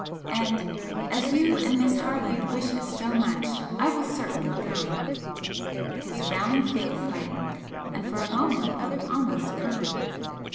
And as you and Miss Harland wish it so much I will certainly come." His frowning face lightened, and for a moment looked almost kind.